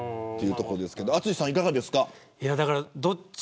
淳さん、いかがですか。